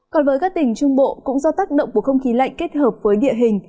còn với các tỉnh trung bộ cũng do tác động của không khí lạnh kết hợp với địa hình